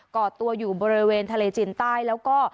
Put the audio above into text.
เกาะตัวอยู่บริเวณทะเลจีนใต้แล้วก็